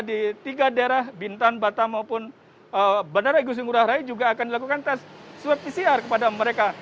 di tiga daerah bintan batam maupun bandara igusti ngurah rai juga akan dilakukan tes swab pcr kepada mereka